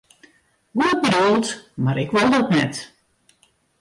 Goed bedoeld, mar ik wol dat net.